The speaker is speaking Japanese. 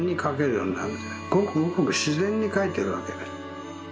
ごくごくしぜんにかいてるわけです。